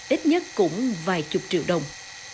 ít nhất cũng vài chục triệu đồng